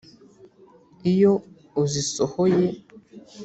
iyo uzisohoye